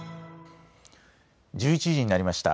１１時になりました。